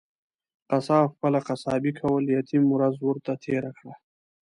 قصاب خپله قصابي کول ، يتيم ورځ ورته تيره کړه.